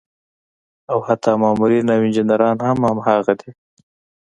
او حتا مامورين او انجينران هم هماغه دي